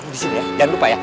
jangan lupa ya